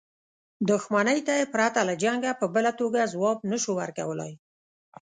دښمنۍ ته یې پرته له جنګه په بله توګه ځواب نه شو ورکولای.